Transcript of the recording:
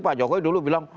pak jokowi dulu bilang